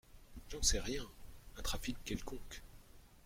J’en sais rien ! Un trafic quelconque.